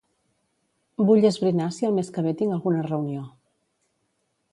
Vull esbrinar si el mes que ve tinc alguna reunió.